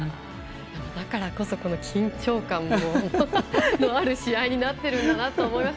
だからこそ緊張感がある試合になっているんだと思います。